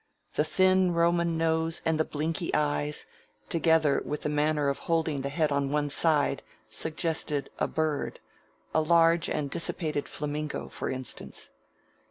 The thin Roman nose and the blinky eyes, together with the manner of holding the head on one side, suggested a bird a large and dissipated flamingo, for instance.